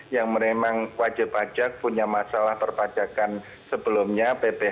yang memang wajib pajak punya masalah perpajakan sebelumnya